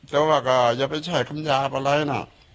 แต่ว่าก็อย่าไปใช้คำยาอะไรเป็นน่ะ